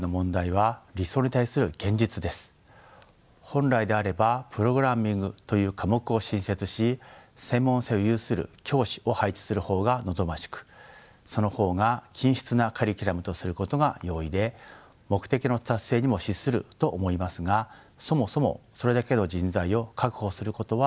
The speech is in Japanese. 本来であればプログラミングという科目を新設し専門性を有する教師を配置する方が望ましくその方が均質なカリキュラムとすることが容易で目的の達成にも資すると思いますがそもそもそれだけの人材を確保することは不可能です。